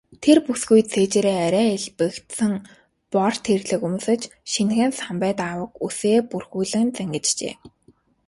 Тэр бүсгүй цээжээрээ арай элбэгдсэн бор тэрлэг өмсөж, шинэхэн самбай даавууг үсээ бүрхүүлэн зангиджээ.